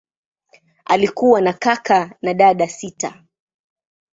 Alikuwa na kaka na dada sita.